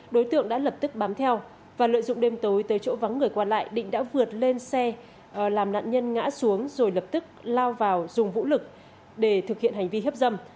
đối tượng đã lập tức bám theo và lợi dụng đêm tối tới chỗ vắng người qua lại định đã vượt lên xe làm nạn nhân ngã xuống rồi lập tức lao vào dùng vũ lực để thực hiện hành vi hiếp dâm